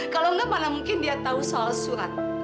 kalau enggak mana mungkin dia tahu soal surat